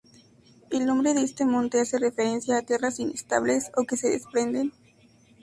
El nombre de este monte hace referencia a tierras inestables, o que se desprenden.